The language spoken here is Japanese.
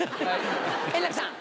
円楽さん。